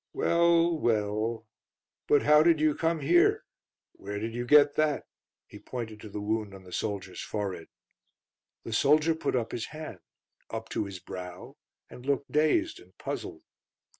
"Well well; but how did you come here? Where did you get that?" He pointed to the wound on the soldier's forehead. The soldier put his hand: up to his brow and looked dazed and puzzled.